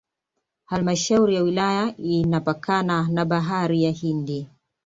Halmashauri ya wilaya inapakana na Bahari ya Hindi